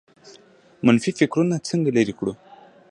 منفي فکرونه څنګه لرې کړو؟